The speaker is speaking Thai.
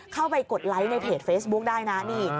กดไลค์ในเพจเฟซบุ๊คได้นะนี่